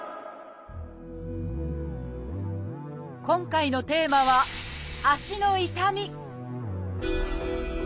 今回のテーマは「足の痛み」